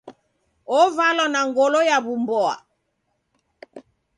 Ovalwa n a ngolo ya w'umboa.